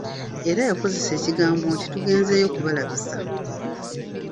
Era yakozesa ekigambo nti tugenzeeyo ‘kubalabisa.'